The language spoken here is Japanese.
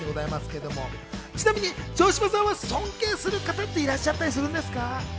ちなみに城島さんは尊敬する方っていらっしゃったりするんですか？